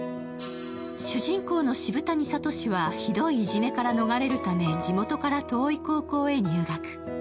主人公の渋谷聡はひどいいじめから逃れるため地元から遠い高校へ入学。